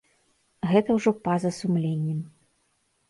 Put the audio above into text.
Гэта ўжо па-за сумленнем.